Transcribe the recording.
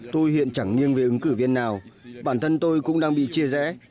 tôi hiện chẳng nghiêng về ứng cử viên nào bản thân tôi cũng đang bị chia rẽ